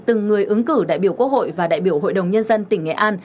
từng người ứng cử đại biểu quốc hội và đại biểu hội đồng nhân dân tỉnh nghệ an